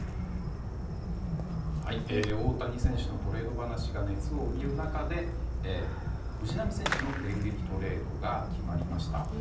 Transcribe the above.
大谷選手のトレード話が熱を帯びる中で藤浪選手の電撃トレードが決まりました。